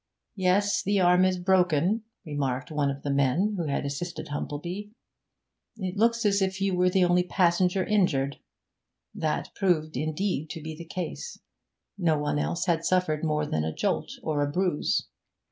'Yes, the arm is broken,' remarked one of the men who had assisted Humplebee. 'It looks as if you were the only passenger injured.' That proved, indeed, to be the case; no one else had suffered more than a jolt or a bruise.